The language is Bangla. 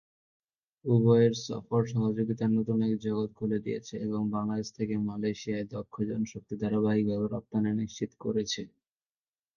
উভয়ের সফর সহযোগিতার নতুন এক জগৎ খুলে দিয়েছে এবং বাংলাদেশ থেকে মালয়েশিয়ায় দক্ষ জনশক্তি ধারাবাহিকভাবে রপ্তানি নিশ্চিত করেছে।